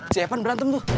si evan berantem tuh